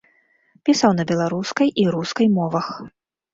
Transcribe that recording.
Пісаў на беларускай і рускай мовах.